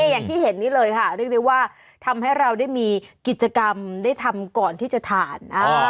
อย่างที่เห็นนี้เลยค่ะเรียกได้ว่าทำให้เราได้มีกิจกรรมได้ทำก่อนที่จะทาน